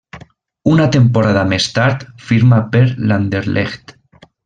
Una temporada més tard firma per l'Anderlecht.